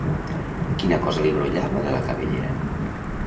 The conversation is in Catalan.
Quina cosa li brollava de la cabellera?